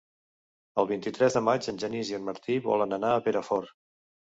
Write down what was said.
El vint-i-tres de maig en Genís i en Martí volen anar a Perafort.